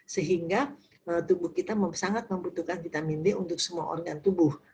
sehingga tubuh kita sangat membutuhkan vitamin d untuk semua organ tubuh